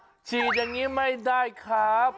จับบ้านล่ะฉีดอย่างนี้ไม่ได้ครับ